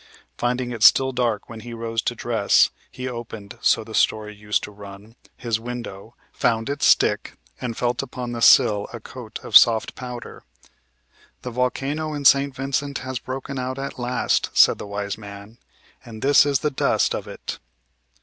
Finding it still dark when he rose to dress, he opened (so the story used to run) his window; found it stick, and felt upon the sill a coat of soft powder. 'The volcano in St. Vincent has broken out at last,' said the wise man, 'and this is the dust of it.